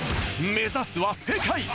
目指すは世界！